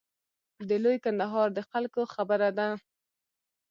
د لوی کندهار د خلکو خبره ده.